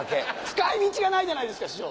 使い道がないじゃないですか師匠。